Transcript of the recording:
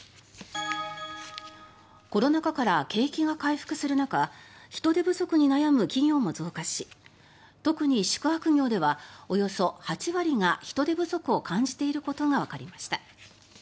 コロナ禍から景気が回復する中人手不足に悩む企業も増加し特に宿泊業ではおよそ８割が人手不足を感じていることがわかりました。